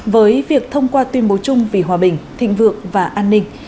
với việc thông qua tuyên bố chung vì hòa bình thịnh vượng và an ninh